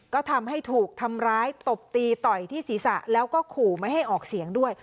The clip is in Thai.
ก็ทำให้ถูกทำร้ายตบตีต่อยที่ศีรษะแล้วก็ขู่ไม่ให้ออกเสียงด้วย